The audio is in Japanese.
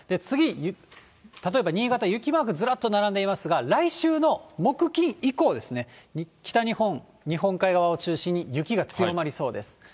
次、例えば新潟、雪マークずらっと並んでいますが、来週の木、金以降に、北日本、日本海側を中心に雪が強まりそうです。